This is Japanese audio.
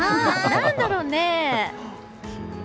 何だろうね。